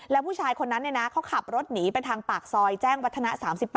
แล้วผู้ชายคนนั้นเขาขับรถหนีไปทางปากซอยแจ้งวัฒนะ๓๘